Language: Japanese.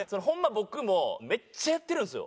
僕もめっちゃやってるんですよ。